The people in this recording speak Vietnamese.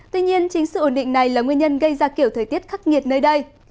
tuy nhiên chính sự ổn định này là nguyên nhân gây ra kiểu thời tiết khắc nghiệt nơi đây